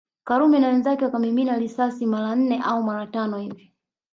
Karume na wenzake wakamimina risasi mara nne au mara tano hivi